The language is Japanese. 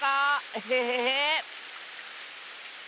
エヘヘヘー！